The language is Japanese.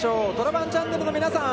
虎バンチャンネルの皆さん。